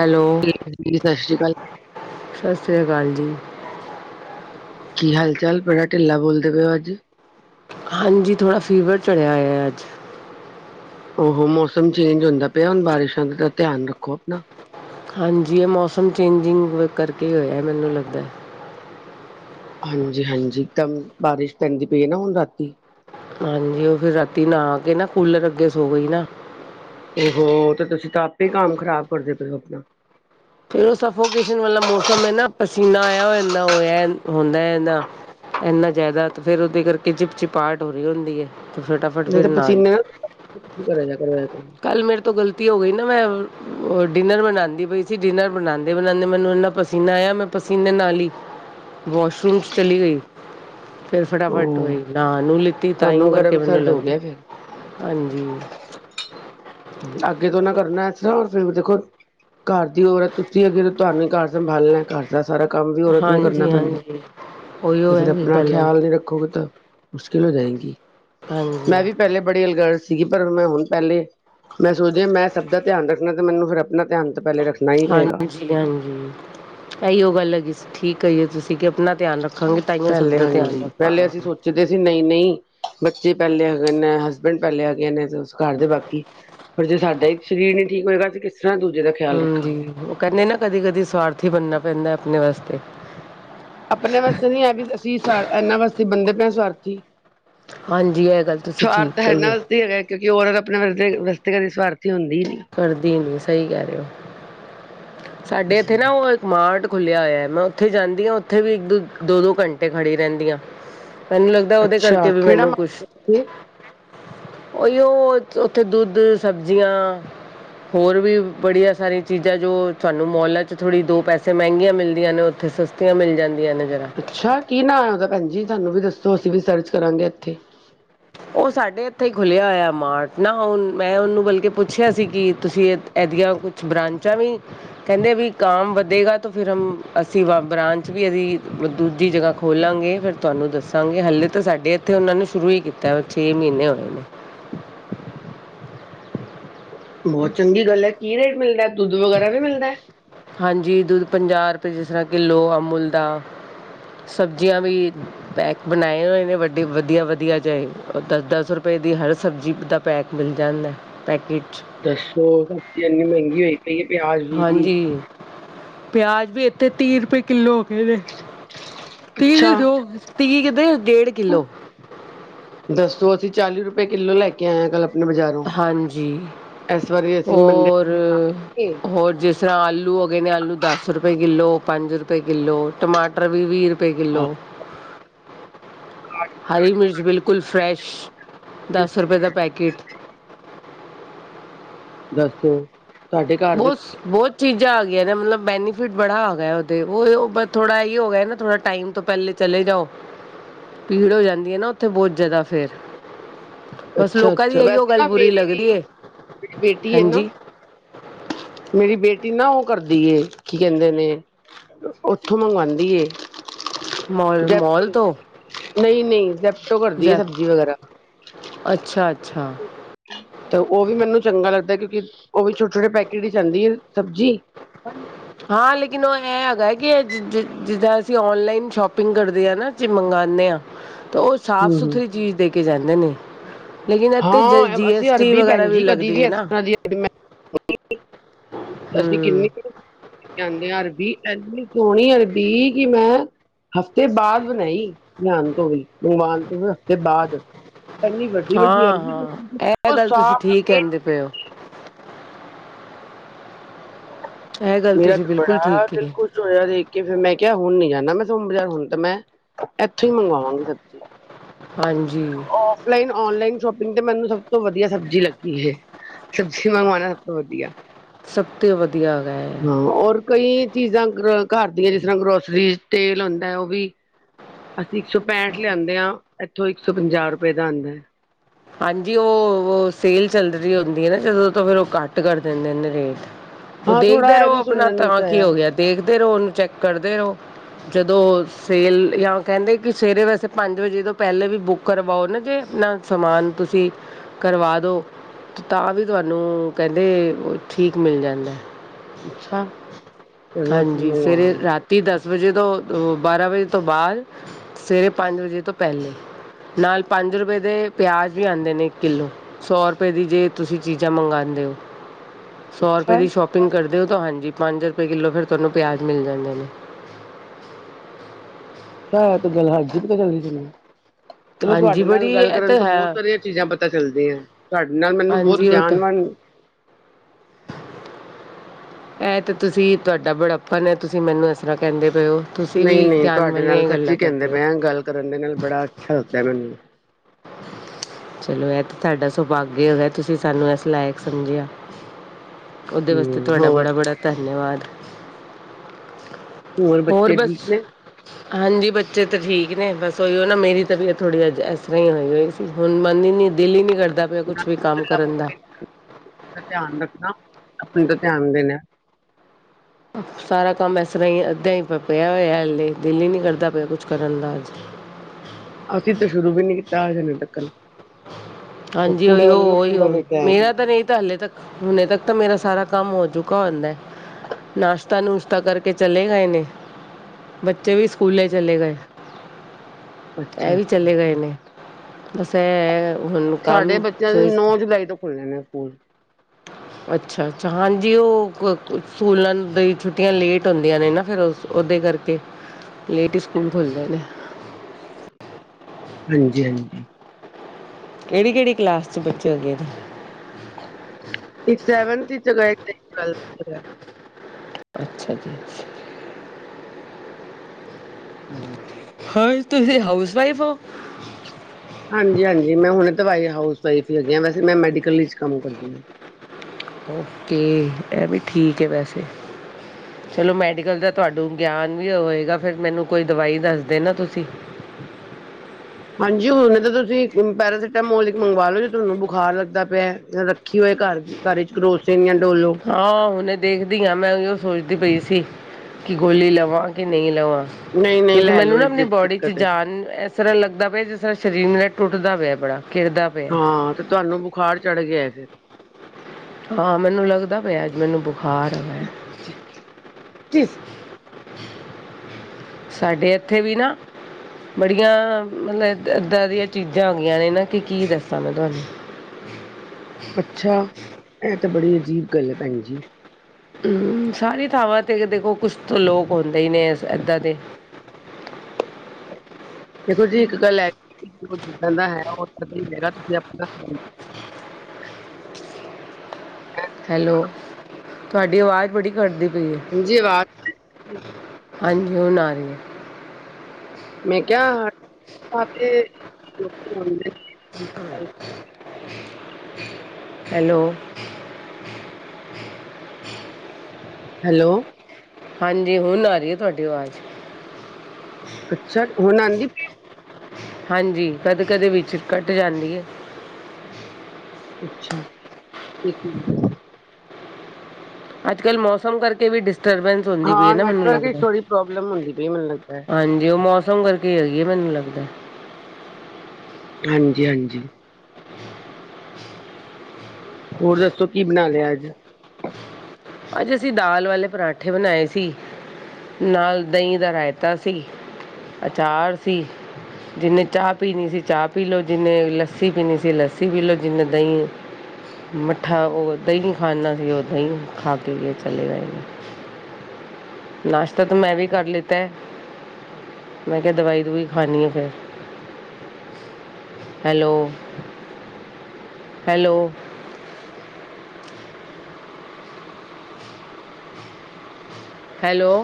Hello, ਸਤਿ ਸ਼੍ਰੀ ਅਕਾਲ। ਸਤਿ ਸ੍ਰੀ ਅਕਾਲ ਜੀ ਕੀ ਹਾਲ ਚਾਲ ਬੜਾ ਡੀਲਾ ਬੋਲਦੇ ਪਏ ਹੋ ਅੱਜ ਹਾਂਜੀ ਥੋੜ੍ਹਾ ਫੀਵਰ ਚੜਿਆ ਹੋਇਆ ਅੱਜ ਉਹਹ ਮੌਸਮ ਚੇਂਜ ਹੁੰਦਾ ਪਿਆ ਹੁਣ ਬਾਰਿਸ਼ਾਂ ਦਾ ਤਾਂ ਧਿਆਨ ਰੱਖੋ ਆਪਣਾ ਹਾਂਜੀ ਇਹ ਮੌਸਮ ਚੇਂਜਿੰਗ ਕਰਕੇ ਹੋਇਆ ਮੈਨੂੰ ਲੱਗਦਾ ਹਾਂਜੀ ਹਾਂਜੀ ਤਾਂ ਬਾਰਿਸ਼ ਪੈਂਦੀ ਪਈ ਏ ਨਾ ਹੁਣ ਰਾਤੀ ਹਾਂਜੀ ਉਹ ਫਿਰ ਰਾਤੀ ਨਾ ਕੇ ਨਾ ਕੂਲਰ ਅੱਗੇ ਸੋ ਗਈ ਨਾ ਤੇ ਹੋ ਤੇ ਤੁਸੀਂ ਤਾਂ ਆਪੇ ਕੰਮ ਖ਼ਰਾਬ ਕਰਦੇ ਪਏ ਹੋ ਆਪਣਾ ਫਿਰ ਉਹ ਸਫੋਕੇਸ਼ਨ ਵਾਲਾ ਮੌਸਮ ਹੈ ਨਾ ਪਸੀਨਾ ਆਇਆ ਹੋ ਜਾਂਦਾ ਹੋਆ ਹੁੰਦਾ ਏਦਾ ਇੰਨਾ ਜ਼ਿਆਦਾ ਤੇ ਫੇਰ ਉਹਦੇ ਕਰਕੇ ਚਿਪ ਚਿਪਾਟ ਹੋ ਰਹੀ ਹੁੰਦੀ ਹੈ ਤੇ ਫਟਾਫਟ ਨਹੀਂ ਫਿਰ ਤਾਂ ਨਹਾ ਲਓ। ਪਸੀਨੇ ਕਰ ਜਾ ਕਰ ਕਰ ਕੱਲ੍ਹ ਮੇਰੇ ਤੋਂ ਗ਼ਲਤੀ ਹੋ ਗਈ ਨਾ ਮੈਂ ਡਿਨਰ ਬਣਾਉਂਦੀ ਪਈ ਸੀ ਡਿਨਰ ਬਣਾਉਂਦੇ ਬਣਾਉਂਦੇ ਮੈਨੂੰ ਇੰਨਾ ਪਸੀ ਪਸੀਨਾ ਆਇਆ ਮੈਂ ਪਸੀਨੇ ਨਾਲ ਹੀ ਵਾਸ਼ਰੂਮ ਚ ਚਲੀ ਗਈ। ਫੇਿਰ ਫਟਾਫਟ ਉਹ ਉਹੀ ਨਾ ਨੂੰ ਲਿੱਤੀ ਤਾਂ ਹੀ ਤੁਹਾਨੂੰ ਉਹ ਕਰਕੇ ਗਰਮ ਮੈਨੂੰ ਸਰਦ ਹੋ ਲੱਗਦਾ ਗਿਆ ਫਿਰ ਹਾਂਜੀ। ਅੱਗੇ ਤੋਂ ਨਾ ਕਰਨਾ ਇਸ ਤਰ੍ਹਾਂ ਰ ਫਿਰਰ ਦੇਖੋ ਘਰ ਦੀ ਹੋਰ ਹੈ ਤੁਸੀਂ ਅਗੇ ਤੁਹਾਨੂੰ ਹੀ ਘਰ ਸੰਭਾਲ ਲੈ ਘਰ। ਦਾ ਸਾਰਾ ਕੰਮ ਵੀ ਔਰਤ ਨੂੰ ਹੀ ਕਰਨਾ ਪੈਂਦਾ ਹਾਂਜੀ-ਹਾਂਜੀ ਤੇ ਉਹੀਓ ਫੇਿਰ ਹੈਗੀ ਆਪਣਾ ਗੱਲ ਹੈਗੀ। ਖਿਆਲ ਨ ਰੱਖ ਤਾਂ ਮੁਸ਼ਕਿਲ ਹੋ ਜਾਏਗੀ ਹਾਂਜੀ। ਮੈਂ ਵੀ ਪਹਿਲੇ ਬੜੀ ਅਲਗਰ ਸੀਗੀ ਪਰ ਮੈਂ ਹੁਣ ਪਹਿਲੇ ਮੈਂ ਸੋਚਿਆ ਮੈਂ ਸਭ ਦਾ ਧਿਆਨ ਰੱਖਣਾ ਤੇ ਮੈਨੂੰ ਫਿਰ ਆਪਣਾ ਧਿਆਨ ਪਹਿਲੇ ਰੱਖਣਾ ਹੀ ਪਏਗਾ ਹਾਂਜੀ ਹਾਂਜੀ ਇਹੀਓ ਗੱਲ ਹੈਗੀ ਠੀਕ ਕਹੀ ਹੈ ਤੁਸੀਂ ਆਪਣਾ ਧਿਆਨ ਰੱਖਾਂਗੇ ਤਾਹੀਓਂ ਸਭ ਦਾ ਧਿਆਨ ਰੱਖ ਪਾਵਾਂਗੇ ਚ ਸੀ ਨਹੀਂ ਨਹੀਂ ਬੱਚੇ ਪਹਿਲੇ ਹੈਗੇਏ ਨੇ ਹਸਬੈਂਡ ਪਹਿਲੇ ਹੈਗੇਏ ਨੇ ਘਰ ਦੇ ਬਾਕੀ ਪਰ ਜੇ ਸਾਡਾ ਇ ਸਰੀਰ ਨੀ ਠੀਕ ਹੋਏਗਾ ਕਿਸ ਤਰ੍ਹਾਂ ਦੂਜੇ ਦਾ ਖ਼ਿਆਲ ਹਮ ਜੀ ਉਹ ਕਹਿੰਦੇ ਨਾ ਕਦੀ ਕਦੀ ਸਵਾਰਥੀ ਬਣਨਾ ਪੈਂਦਾ ਆਪਣੇ ਵਾਸਤੇ ਆਪਣੇ ਵਾਸਤੇ ਨੀ ਹੈ ਵੀ ਅਸੀਂ ਸ ਇਹਨਾਂ ਵਾਸਤੇ ਬੰਦੇ ਪਏ ਹੈ ਸਵਾਰਥੀ ਹਾਂਜੀ ਇਹ ਗੱਲ ਤੁਸੀਂ ਰ ਤਾਂ ਠੀਕ ਹੈ ਕਹੀ ਏ ਨਾ ਵਤੀ ਹੈਗਾ [unintelligible] ਕਿਉਂਕਿ ਔਰਤ ਆਪਣੇ ਵਰਹੇ ਵਾਸਤੇ ਸਵਾਰਥੀ ਹੁੰਦੀ ਹੀ ਨੀ ਕਰਦੀ ਨ ਸਹੀ ਕਹਿ ਰਹੇ ਹੋ ਸਾਡੇ ਇੱਥੇ ਨਾ ਜੀ ਉਹ ਮਾਰਟ ਖੁੱਲਿਆ ਹੋਇਆ ਮੈਂ ਉੱਥੇ ਜਾਂਦੀ ਹਾਂ ਉੱਥੇ ਵੀ ਇੱਕ ਦੋ ਦੋ ਦੋ ਘੰਟੇ ਖੜੀ ਰਹਿੰਦੀ ਆਾਂ ਮੈਨੂੰ ਲੱਗਦਾ ਉਹਦੇ ਅੱਛਾ ਕਰਕੇ ਵੀ ਕਿਹੜਾ ਮੈਨੂੰ ਕੁਛ ਮਾਮਲਾ ਇੱਥੇ? ਓਇਓ ਉਹ ਉੱਥੇ ਦੁੱਧ ਸਬਜ਼ੀਆਂ ਹੋਰ ਵੀ ਬੜੀਆਂ ਸਾਰੀਆਂ ਚੀਜ਼ਾਂ ਜੋ ਤੁਾਨੂੰ ਮੌਲਾਂ 'ਚ ਥੋੜ੍ਹੀ ਦੋ ਪੈਸੇ ਮਹਿੰਗੀਆਂ ਮਿਲਦੀਆਂ ਨੇ ਉੱਥੇ ਸਸਤੀਆਂ ਮਿਲ ਜਾਂਦੀਆਂ ਨੇ ਜ਼ਰਾਂ ਅੱਛਾ ਕੀ ਨਾਂ ਹੈ ਉਹਦਾ ਭੈਣ ਜੀ ਤੁਹਾਨੂੰ ਵੀ ਦੱਸੋ ਅਸੀਂ ਵੀ ਸਰਚ ਕਰਾਂਗੇ ਇੱਥੇ ਉਹ ਸਾਡੇ ਇੱਥੇ ਹੀ ਖੁੱਲ੍ਹਿਆ ਹੋਇਆ ਮਾਰਟ ਨਾ ਉਹ ਮੈਂ ਉਹਨੂੰ ਬਲਕਿ ਪੁੱਛਿਆ ਸੀ ਕਿ ਤੁਸੀਂ ਇ ਇਹਦੀਆਂ ਕੁਛ ਬ੍ਰਾਂਚਾਂ ਵੀ ਕਹਿੰਦੇ ਵੀ ਕਾਮ ਵਧੇਗਾ ਤੇ ਫਿਰ ਹਮ ਅਸੀਂ ਬ੍ਰਾਂਚ ਵੀ ਅਸੀਂ ਦੂਜੀ ਜਗ੍ਹਾ ਖੋਲਾਂਗੇ ਫਿਰ ਤੁਹਾਨੂੰ ਦੱਸਾਂਗੇ ਹਾਲੇ ਤਾਂ ਸਾਡੇ ਇੱਥੇ ਉਹਨਾਂ ਨੇ ਸ਼ੁਰੂ ਹੀ ਕੀਤਾ ਛੇ ਮਹੀਨੇ ਹੋਏ ਨੇ ਬਹੁਤ ਚੰਗੀ ਗੱਲ ਹੈ ਕੀ ਰੇਟ ਮਿਲਦਾ ਦੁੱਧ ਵਗੈਰਾ ਵੀ ਮਿਲਦਾ ਹਾਂਜੀ ਦੁੱਧ ਪੰਜਾਹ ਰੁਪਏ ਜਿਸ ਤਰ੍ਹਾਂ ਕਿੱਲੋ ਅਮੂਲ ਦਾ ਸਬਜ਼ੀਆਂ ਵੀ ਪੈਕ ਬਣਾਏ ਹੋਏ ਨੇ ਵੱਡੇ ਵਧੀਆ- ਵਧੀਆ ਜਯੇ ਦਸ -ਦਸ ਰੁਪਏ ਦੀ ਹਰ ਸਬਜ਼ੀ ਦਾ ਪੈਕ ਮਿਲ ਜਾਂਦਾ ਪੈਕੇਟ 'ਚ ਦੱਸੋ ਸਬਜੀ ਇੰਨੀ ਮਹਿੰਗੀ ਹੋਈ ਪਿਆਜ ਵੀ ਹਾਂਜੀ ਪਿਆਜ ਵੀ ਇੱਥੇ ਤੀਹ ਰੁਪਏ ਕਿੱਲੋ ਹੋਗੇ ਨੇ ਤੀਹ ਅੱਛਾ ਦੇ ਦੋ ਤੀ ਕਿਤੇ ਡੇਢ ਕਿੱਲੋ ਦੱਸੋ ਅਸੀਂ ਚਾਲੀ ਰੁਪਏ ਕਿੱਲੋ ਲੈ ਕੇ ਆਏਆਾਂ ਕੱਲ ਆਪਣੇ ਬਾਜ਼ਾਰੋਂ ਹਾਂਜੀ ਇਸ ਵਾਰੀ ਅਸੀਂ ਮੰਡੇ ਹੋਰ ਗਏ -ਹੋਰ ਜਿਸ ਜਿਸ ਤਰ੍ਹਾਂ ਆਲੂ ਹੋ ਗਏ ਨੇ ਆਲੂ ਦਸ ਰੁਪਏ ਕਿੱਲੋ ਪੰਜ ਰੁਪਏ ਕਿੱਲੋ ਟਮਾਟਰ ਵੀ ਵੀਹ ਰੁਪਏ ਰੁਪਏ ਹਾਂ ਕਿੱਲੋ ਹਰੀ ਮਿਰਚ ਬਿਲਕੁਲ ਫਰੈਸ਼ ਦਸ ਰੁਪਏ ਦਾ ਪੈਕੇਿਟ ਦੱਸੋ ਤੁਹਾਡੇ ਘਰ ਦੇ ਬਹੁ ਬਹੁਤ ਚੀਜ਼ਾਂ ਆ ਗਈ ਨੇ ਮਤਲਬ ਬੈਨੀਫਿਟ ਬੜਾ ਆ ਗਿਆ ਉਹਦੇ ਉਹ ਥੋੜ੍ਹਾ ਇਹੀ ਹੋ ਗਿਆ ਨਾ ਥੋੜ੍ਹਾ ਟਾਈਮ ਤੋਂ ਪਹਿਲੇ ਚਲੇ ਜਾਓ [inaudible] ਭੀੜ ਹੋ ਜਾਂਦੀ ਹੈ ਨਾ ਉੱਥੇ ਬਹੁਤ ਜਿਆਦਾ ਫੇਰ ਬਸ ਅੱਛਾ ਲੋਕਾਂ ਦੀ ਅੱਛਾ ਇਹੀਓ ਵੈਸੇ ਗੱਲ ਨਾ ਬੁਰੀ ਮੇਰੀ ਵੀ ਲੱਗਦੀ ਏ। ਮੇਰੀ ਬੇਟੀ ਹੈ ਨਾ ਹਾਂਜੀ ਮੇਰੀ ਬੇਟੀ ਨਾ ਉਹ ਕਰਦੀ ਏ ਕੀ ਕਹਿੰਦੇ ਨੇ ਉਥੋਂ ਮੰਗਵਾਉਂਦੀ ਏ। ਮੋਲ ਮੋਲ ਜੈਪਟੋ ਤੋਂ ਨਹੀਂ ਨਹੀਂ ਜੈਪਟੋ ਕਰਦੀ ਹੈ ਜੈ ਸਬਜ਼ੀ ਵਗੈਰਾ। ਅੱਛਾ ਅੱਛਾ ਹਮ ਤੇ ਉਹ ਵੀ ਮੈਨੂੰ ਚੰਗਾ ਲੱਗਦਾ ਕਿਉਂਕਿ ਉਹ ਵੀ ਛੋਟੇ ਛੋਟੇ ਪੈਕੇਟ ਹੀ ਆਦੀ ਹੈ ਸਬਜ਼ੀ ਹਾਂ ਲੇਕਿਨ ਉਹ ਇਹ ਹੈਗਾ ਕਿ ਅ ਜਿੱਦਾਂ ਅਸੀਂ ਔਨਲਾਈਨ ਸ਼ੋਪਿੰਗ ਕਰਦੇ ਹਾਂ ਨਾ ਜ ਮੰਗਵਾਉਂਦੇ ਹਾਂ ਤੇ ਉਹ ਸਾਫ ਹੂੰ ਹੂੰ ਸੁਥਰੀ ਚੀਜ਼ ਦੇ ਕੇ ਜਾਂਦੇ ਨੇ ਲੇਕਿਨ ਇੱਥੇ ਜ ਹਾਂ ਜੀ ਅਸੀਂ ਐਸ ਟੀ ਅਰਬੀ ਵਗੈਰਾ ਭੈਣ ਵੀ ਜੀ ਕਦੀ ਲੱਗਦੀ ਹੈ ਇਸ ਨਾ ਤਰ੍ਹਾਂ ਦੀ ਅਰਬੀ ਅਸੀਂ ਕਿੰਨਨੀ ਹੂੰ ਜਾਂਦੇ ਹਰ ਐੰਨੀ ਸੋਹਣੀ ਹੈੱਡੀ ਕਿ ਮੈਂ ਹਫ਼ਤੇ ਬਾਅਦ ਬਣਾਈ ਲਿਆਣ ਤੋਂ ਵੀ ਮੰਗਵਾਨ ਤੋਂ ਵੀ ਹਫ਼ਤੇ ਬਾਅਦ ਇੰਨੀ ਵਧੀਆ ਹਾਂ ਹਾਂ ਇਹ ਗੱਲ ਤੁਸੀਂ [inaudible] ਠੀਕ ਕਹਿੰਦੇ ਪਏ ਹੋ ਇਹ ਗੱਲ ਮੇਰਾ ਤੁਸੀਂ ਤੇ ਬਿਲਕੁਲ ਠੀਕ ਬੜਾ ਦਿਲ ਕਹੀ ਖੁਸ਼ ਹੋਇਆ ਦੇਖ ਕੇ ਫਿਰ ਮੈਂ ਕਿਹਾ ਹੁਣ ਨੀ ਜਾਣਾ ਮੈਂ ਸੋਮ ਬਾਜ਼ਾਰ ਹੁਣ ਤਾਂ ਮੈਂ ਇੱਥੋਂ ਹੀ ਮੰਗਵਾਵਾਂਗੇ ਫਿਰ। ਹਾਂਜੀ ਆਨਲਾਈਨ ਸ਼ੋਪਿੰਗ ਤੇ ਮੈਨੂੰ ਸਭ ਤੋਂ ਵਧੀਆ ਸਬਜ਼ੀ ਲੱਗੀ ਹੈ ਸਬਜ਼ੀ ਮੰਗਵਾਉਣਾ ਸਭ ਤੋਂ ਵਧੀਆ। ਸਭ ਤੋਂ ਵਧੀਆ ਵੈ। ਹਾਂ ਔਰ ਕਈ ਚੀਜ਼ਾਂ ਘਰ ਦੀਆਂ ਜਿਸ ਤਰ੍ਹਾਂ ਗਰੋਸਰੀ ਸੇਲ ਹੁੰਦਾ ਉਹ ਵੀ। ਅਸੀਂ ਇੱਕ ਸੌ ਇੱਕ ਸੌ ਪੈਂਹਠ ਲਿਆਂਦੇ ਹਾਂ ਇੱਥੋਂ ਇੱਕ ਸੌ ਪੰਜਾਹ ਰੁਪਏ ਦਾ ਆਦਾ ਏ। ਹਾਂਜੀ ਉਹ ਸੇਲ ਚੱਲ ਰਹੀ ਹੁੰਦੀ ਹੈ ਨਾ ਜਦੋਂ ਤੋਂ ਫਿਰ ਉਹ ਘਟ ਕਰ ਦਿੰਦੇ ਨੇ ਰੇਟ। [inaudible] ਉਹ ਦੇਖਦੇ ਥੋੜਾ ਇਹ ਰਹੋ ਵੀ ਆਪਣਾ ਸੁਣਨ ਵਿੱਚ ਤਾਂ ਕੀ ਆਇਆ ਹੋ ਗਿਆ ਦੇਖਦੇ ਰਹੋ ਉਹਨੂੰ ਚੈੱਕ ਕਰਦੇ ਰਹੋ। ਜਦੋਂ ਸੇਲ ਯਾ ਕਹਿੰਦੇ ਕਿ ਸਵੇਰੇ ਵੈਸੇ ਪੰਜ ਵਜੇ ਤੋਂ ਪਹਿਲੇ ਵੀ ਬੁੱਕ ਕਰਵਾਓ ਨਾ ਜੇ ਆਪਣਾ ਸਮਾਨ ਤੁਸੀਂ ਕਰਵਾ ਦਿਉ। ਤਾਂ ਵੀ ਤੁਹਾਨੂੰ ਕਹਿੰਦੇ ਉਹ ਠੀਕ ਮਿਲ ਜਾਂਦਾ। ਅੱਛਾ ਚਲੋ ਅਸੀਂ ਹਾਂਜੀ ਸਵੇਰੇ ਮੰਗਵਾਵਾਂਗੇ ਰਾਤੀ ਦਸ ਵਜੇ ਤੋਂ ਬਾਰਾਂ ਵਜੇ ਤੋਂ ਬਾਅਦ ਸਵੇਰੇ ਪੰਜ ਵਜੇ ਤੋਂ ਪਹਿਲੇ ਨਾਲ ਪੰਜ ਰੁਪਏ ਦੇ ਪਿਆਜ਼ ਵੀ ਆਦੇ ਨੇ ਇੱਕ ਕਿੱਲੋ ਸੌ ਰੁਪਏ ਦੀ ਜੇ ਤੁਸੀਂ ਚੀਜ਼ਾਂ ਮੰਗਾਦੇ ਹੋ। ਸੌ ਰੁਪਏ ਅੱਛਾ ਦੀ ਸ਼ੋਪਿੰਗ ਕਰਦੇ ਹੋ ਤਾਂ ਹਾਂਜੀ ਪੰਜ ਰੁਪਏ ਕਿੱਲੋ ਫਿਰ ਤੁਹਾਨੂੰ ਪਿਆਜ ਮਿਲ ਜਾਂਦੇ ਨੇ। [inaudible] ਚਲੋ ਹਾਂਜੀ ਤੁਹਾਡੇ ਨਾਲ ਬੜੀ ਗੱਲ ਇਹ ਕਰਨ ਤਾਂ ਤੋਂ ਹੈ ਬਹੁਤ ਸਾਰੀਆਂ ਚੀਜ਼ਾਂ ਪਤਾ ਚੱਲਦੀਆਂ। ਤੁਹਾਡੇ ਨਾਲ ਮੈਨੂੰ ਬਹੁਤ ਹਾਂਜੀ ਉਹ ਤਾਂ ਗਿਆਨਵਾਨ ਇਹ ਤੇ ਤੁਸੀਂ ਤੁਹਾਡਾ ਬੜਾਪਨ ਹੈ ਤੁਸੀਂ ਮੈਨੂੰ ਇਸ ਤਰ੍ਹਾਂ ਕਹਿੰਦੇ ਪਏ ਹੋ। ਤੁਸੀਂ ਨਹੀਂ ਵੀ ਨਹੀਂ ਗਿਆਨ ਤੁਹਾਡੇ ਵਾਲੀਆਂ ਨਾਲ ਹੀ ਸੱਚੀ ਗੱਲਾਂ ਕਹਿੰਦੇ ਕਰਦੇ ਹੋ ਪਏ ਗੱਲ ਕਰਨ ਦੇ ਨਾਲ ਬੜਾ ਅੱਛਾ ਲੱਗਦਾ ਮੈਨੂੰ। ਚਲੋ ਇਹ ਤੇ ਤੁਹਾਡਾ ਸਭਾਗਿਆ ਹੋਇਆ ਤੁਸੀਂ ਸਾਨੂੰ ਇਸ ਲਾਇਕ ਸਮਝਿਆ। ਉਹਦੇ ਵਾਸਤੇ ਹੂੰ, ਤੁਹਾਡਾ ਹੋਰ ਬੜਾ ਬੜਾ ਧੰਨਵਾਦ। ਹੋਰ ਬੱਚੇ ਬਸ। ਠੀਕ ਨੇ? ਹਾਂਜੀ ਬੱਚੇ ਤਾਂ ਠੀਕ ਨੇ ਬਸ ਉਹੀਓ ਨਾ ਮੇਰੀ ਤਬੀਅਤ ਥੋੜ੍ਹੀ ਅੱਜ ਇਸ ਤਰ੍ਹਾਂ ਹੀ ਹੋਈ ਹੋਈ। ਹੁਣ ਮੰਨ ਨੀ ਦਿਲ ਹੀ ਨੀ ਕਰਦਾ। ਪਿਆ ਕੁਝ ਵੀ ਕੰਮ ਕਰਨ ਦਾ ਧਿਆਨ ਰੱਖਣਾ ਆਪਣੇ ਤਾਂ ਧਿਆਨ ਦੇਣਾ। ਸਾਰਾ ਕੰਮ ਇਸ ਤਰ੍ਹਾਂ ਹੀ ਏਦਾ ਹੀ ਪਿਆ ਹੋਇਆ ਹਾਲੇ ਦਿਲ ਹੀ ਨਹੀਂ ਕਰਦਾ ਪਿਆ ਕੁਛ ਕਰਨ ਦਾ ਅੱਜ ਅਸੀਂ ਤਾਂ ਸ਼ੁਰੂ ਵੀ ਨੀ ਕੀਤਾ ਹਜੇ ਹਾਲੇ ਤੱਕਰ ਹਾਂਜੀ ਓਹੀ ਉਹ ਉਹੀ ਕੂੜਾ ਹੋਵੇ ਦੇ ਕੇ ਆਏ ਮੇਰਾ ਤਾਂ ਨਹੀਂ ਤਾਂ ਹਾਲੇ ਤੱਕ ਹੁਣੇੇ ਤੱਕ ਤਾਂ ਮੇਰਾ ਸਾਰਾ ਕੰਮ ਹੋ ਚੁੱਕਾ ਹੁੰਦਾ। ਨਾਸ਼ਤਾ ਨੂਸ਼ਤਾ ਕਰਕੇ ਚਲੇ ਗਏ ਨੇ। ਬੱਚੇ ਵੀ ਸਕੂਲੇ ਚਲੇ ਗਏ। ਹਾਂ। ਅੱਛਾ ਇਹ ਵੀ ਅੱਛਾ ਚਲੇ ਗਏ ਨੇ ਬਸ ਇਹ ਹੁਣ ਸਾਡੇ ਕੰਮ ਬੱਚਿਆਂ ਦੇ ਸੋਚ ਨੌ ਜੁਲਾਈ ਤੋਂ ਖੁੱਲਣੇ ਨੇ ਸਕੂਲ। ਅੱਛਾ ਅੱਛਾ ਹਾਂਜੀ ਉਹ ਸਕੂਲਾਂ ਦੀ ਛੁੱਟੀਆਂ ਲੇਟ ਹੁੰਦੀਆਂ ਨੇ ਨਾ ਫਿਰ ਉਹਦੇ ਕਰਕੇ ਲੇਟ ਹੀ ਸਕੂਲ ਖੁੱਲ੍ਹਦੇ ਨੇ। ਹਾਂਜੀ, ਹਾਂਜੀ। ਕਿਹੜੀ ਕਿਹੜੀ ਕਲਾਸ ਚ ਬੱਚੇ ਹੋਗੇ ਇਹਦੇ ਇੱਕ ਸੈਵਨਥ ਚਲਾ ਗਿਆ, ਇਕ ਟਵੈਲਥ ਚ ਏ। ਅੱਛਾ ਜੀ। ਹਾਂਜੀ। ਹਾਂ ਤੁਸੀਂ ਹਾਊਸ ਵਾਈਫ ਹੋ। ਹਾਂਜੀ ਹਾਂਜੀ ਮੈਂ ਹੁਣੇ ਦਵਾਈ ਹਾਊਸ ਵਈਫ ਹੈਗੀ ਹਾਂ ਵੈਸੇ ਮੈਂ ਮੈਡੀਕਲ ਹੀ 'ਚ ਕੰਮ ਕਰਦੀ ਹਾਂ ਓਕੇ ਇਹ ਵੀ ਠੀਕ ਹੈ ਵੈਸੇ। ਚਲੋ ਮੈਡੀਕਲ ਦਾ ਤੁਹਾਨੂੰ ਗਿਆਨ ਵੀ ਹੋਵੇਗਾ ਫਿਰ ਮੈਨੂੰ ਕੋਈ ਦਵਾਈ ਦੱਸਦੇ ਨਾ ਤੁਸੀਂ ਹਾਂਜੀ, ਹੁਣ ਤਾਂ ਤੁਸੀਂ ਪੈਰਾਸਟਾਮੋਲ ਇੱਕ ਮੰਗਵਾ ਲਓ ਜੇ ਤੁਹਾਨੂੰ ਬੁਖਾਰ ਲੱਗਦਾ ਪਿਆ। ਰਖੀ ਹੋਏ, ਘਰ-ਘਰ ਚ ਕਰੋਸੀਨ ਜਾਂ ਡੋਲੋ, ਹਾਂ ਹੁਣੇ ਦੇਖਦੀ ਹਾਂ, ਮੈਂ ਉਹ ਸੋਚਦੀ ਪਈ ਸੀ, ਕਿ ਗੋਲੀ ਲਵਾਂ ਕਿ ਨਹੀਂ ਲਵਾਂ। ਨਹੀਂ ਨਹੀਂ ਕਿਉਂਕਿ ਲੈ ਮੈਨੂੰ ਲਓ ਨਾ ਆਪਣੀ ਇੱਜ਼ਤ ਬੋਡੀ ਚ ਦਿੱਕਤ ਹੈ ਜਾਨ, ਤਰ੍ਹਾਂ ਲੱਗਦਾ ਪਿਆ, ਜਿਸ ਤਰ੍ਹਾਂ ਸਰੀਰ ਮੇਰਾ ਟੁੱਟਦਾ ਪਿਆ, ਬੜਾ ਗਿਰਦਾ ਹਾਂ ਤੇ ਤੁਹਾਨੂੰ ਬੁਖਾਰ ਚੜ੍ਹ ਗਿਆ ਫਿਰ, ਹਾਂ ਮੈਨੂੰ ਲੱਗਦਾ ਪਿਆ, ਅੱਜ ਮੈਨੂੰ ਬੁਖਾਰ ਆ ਵਾ, ਅੱਛਾ ਜੀ, [unintelligible] ਸਾਡੇ ਇੱਥੇ ਵੀ ਨਾ, ਬੜੀਆਂ ਮਤਲਬ ਏਦਾਂ ਦੀਆਂ ਚੀਜ਼ਾਂ ਆ ਗਈਆਂ ਨੇ, ਨਾ ਕਿ ਕੀ ਦੱਸਾਂ ਮੈਂ ਤੁਹਾਨੂੰ ਅੱਛਾ ਇਹ ਤਾਂ ਬੜੀ ਅਜੀਬ ਗੱਲ ਹੈ ਭੈਣ ਜੀ। ਹੂੰ, ਸਾਰੀ ਥਾਵਾਂ ਤੇ ਦੇਖੋ ਕੁਛ ਲੋਕ ਹੁੰਦੇ ਹੀ ਨੇ ਏਦਾਂ ਦੇ, ਦੇਖੋ ਜੀ ਇੱਕ ਗੱਲ ਹੈ, ਜਿੱਦਾਂ ਦਾ ਹੈ ਉਹ ਉਦਾਂ ਦਾ ਹੀ ਹੈਗਾ ਤੁਸੀਂ ਆਪਾਂ ਦੱਸ ਹੈਲੋ, ਤੁਹਾਡੀ ਆਵਾਜ਼ ਬੜੀ ਕਟ ਦੀ ਪਈ ਹੈ। ਹਾਂਜੀ ਅਵਾਜ਼, ਹਾਂਜੀ, ਹੁਣ ਆ ਰਹੀ ਹੈ। ਮੈਂ ਕਿਆ [unintelligible] ਹੈਲੋ। ਹੈਲੋ। ਹਾਂਜੀ ਹੁਣ ਆ ਰਹੀ ਹੈ, ਤੁਹਾਡੀ ਆਵਾਜ਼ ਅੱਛਾ, ਹੁਣ ਆਉਂਦੀ ਪਈ। ਹਾਂਜੀ, ਕਦੇ ਕਦੇ ਵਿੱਚ ਕੱਟ ਜਾਂਦੀ ਹੈ। ਅੱਛਾ ਇੱਕ ਮਿੰਟ, ਅੱਜ-ਕੱਲ੍ਹ ਮੌਸਮ ਕਰਕੇ ਵੀ ਡਿਸਟਰਬੈਂਸ, ਹੁੰਦੀ ਪਈ ਹੈ, ਹਾਂ ਨਾ ਮੈਨੂੰ ਨੈਟਵਰਕ ਦੀ ਲੱਗਦਾ ਥੋੜੀ ਪ੍ਰੋਬਲਮ ਹੁੰਦੀ ਪਈ ਮੈਨੂੰ ਲੱਗਦਾ ਹਾਂਜੀ ਉਹ ਮੌਸਮ ਕਰਕੇਂ ਹੋਈਏ ਮੈਨੂੰ ਲੱਗਦਾ। ਹਾਂਜੀ-ਹਾਂਜੀ। ਹੋਰ ਦੱਸੋ ਕੀ ਬਣਾ ਲਿਆ ਅੱਜ? ਅੱਜ ਅਸੀਂ ਦਾਲ ਵਾਲੇ ਪਰਾਂਠੇ ਬਣਾਏ ਸੀ। ਨਾਲ ਦਹੀਂ ਦਾ ਰਾਇਤਾ ਸੀ, ਅਚਾਰ ਸੀ। ਜਨੇ ਚਾਹ ਪੀਣੀ ਸੀ ਚਾਹ ਪੀ ਲਓ, ਜਨੇ ਲੱਸੀ ਪੀਣੀ ਸੀ ਲੱਸੀ ਪੀ ਲਓ ਜਿੰਨੇ ਦਹੀਂਂ ਮੱਠਾ ਉਹ ਦਹੀਂ ਖਾਦਾ ਸੀ, ਉਹ ਦਹੀਂ ਖਾ ਕੇ ਚਲੇ ਗਏ ਨੇ। ਨਾਸ਼ਤਾ ਤਾਂ ਮੈਂ ਵੀ ਕਰ ਲਿੱਤਾ। ਮੈਂ ਕਿਹਾ ਦਵਾਈ ਦਵਾਈ, ਖਾਣੀ ਆ ਫਿਰ ਹੈਲੋ ਹੈਲੋ, ਹੈਲੋ,